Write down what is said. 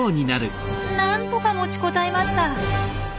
なんとか持ちこたえました。